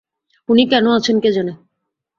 উনি কেন আছেন কে জানে।